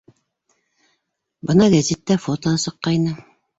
Бына гәзиттә фотоһы сыҡҡайны.